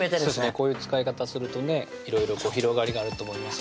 こういう使い方するとねいろいろ広がりがあると思います